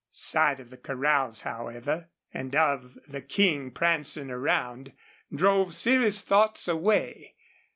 Sight of the corrals, however, and of the King prancing around, drove serious thoughts away.